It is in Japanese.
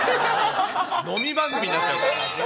飲み番組になっちゃった。